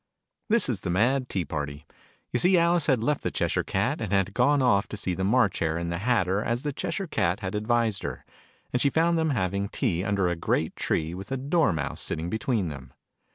This is the Mad Tea Party. You see Alice had left the Cheshire Cat, and had gone off to see the March Hare and the Hatter, as the Cheshire Cat had advised her : and she found them having tea under a great tree, with a Dormouse sitting between them.